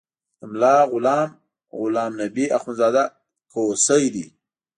د ملا غلام غلام نبي اخندزاده کوسی و.